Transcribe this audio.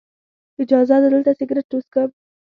اجازه ده دلته سګرټ وڅکم.